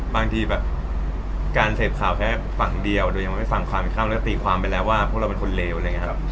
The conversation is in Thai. บางทีแบบการเสพข่าวแค่ฝั่งเดียวโดยยังไม่ฟังความเข้าแล้วตีความไปแล้วว่าพวกเราเป็นคนเลวอะไรอย่างนี้ครับ